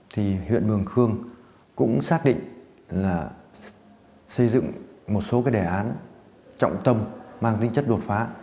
thì huyện mường khương cũng xác định là xây dựng một số cái đề án trọng tâm mang tính chất đột phá